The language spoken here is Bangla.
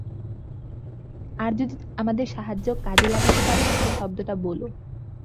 আর যদি আমাদের সাহায্য কাজে লাগাতে পারো, তাহলে শব্দটা বোলো।